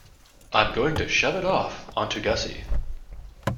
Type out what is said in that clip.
I'm going to shove it off on to Gussie.